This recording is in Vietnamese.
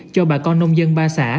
cho bà con nông dân ba xã